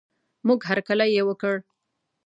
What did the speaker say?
موږ هر کلی یې وکړ.